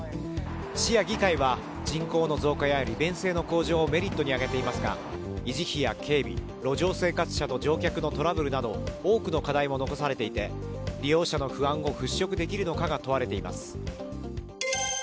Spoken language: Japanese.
市や議会は人口の増加や利便性の向上をメリットに挙げていますが維持費や警備、路上生活者と乗客のトラブルなど多くの課題も残されていて利用者の不安を払拭できるのかが問われています。